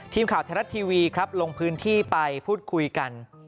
ทีมข่าวไทยรัฐทีวีครับลงพื้นที่ไปพูดคุยกัน